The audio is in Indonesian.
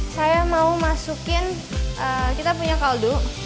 saya mau masukin kita punya kaldu